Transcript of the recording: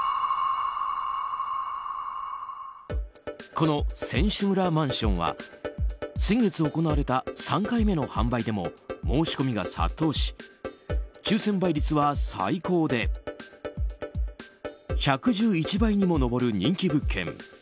この選手村マンションは先月行われた３回目の販売でも申し込みが殺到し抽選倍率は最高で１１１倍にも上る人気物件。